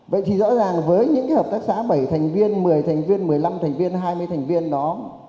vậy thì rõ ràng với những hợp tác xã bảy thành viên một mươi thành viên một mươi năm thành viên hai mươi thành viên đó